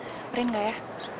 samperin gak ya